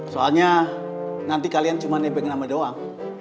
soalnya nanti kalian cuma nepeng nama doang